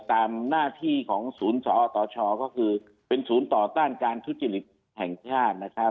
ตามหน้าที่ของศูนย์สอตชก็คือเป็นศูนย์ต่อต้านการทุจริตแห่งชาตินะครับ